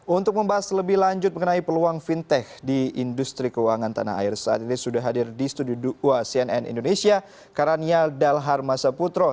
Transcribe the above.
untuk membahas lebih lanjut mengenai peluang fintech di industri keuangan tanah air saat ini sudah hadir di studio dua cnn indonesia karaniel dalharma saputro